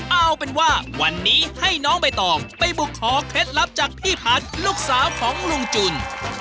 เอาเป็นว่าวันนี้ให้น้องใบตองไปบุกขอเคล็ดลับจากพี่พันธุ์ลูกสาวของลุงจุน